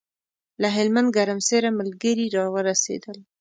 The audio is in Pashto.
له هلمند ګرمسېره ملګري راورسېدل.